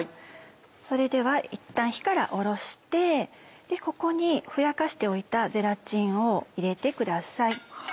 それではいったん火から下ろしてここにふやかしておいたゼラチンを入れてください。